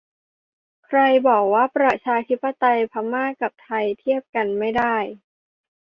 ใครบอกว่าประชาธิปไตยพม่ากับไทยเทียบกันไม่ได้ !